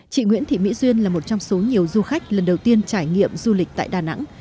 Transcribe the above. chị nguyễn thị mỹ duyên là một trong số nhiều du khách lần đầu tiên trải nghiệm du lịch tại đà nẵng